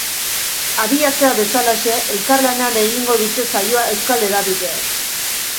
Abiatzea bezalaxe, elkarlanean egingo dute saioa euskal hedabideek.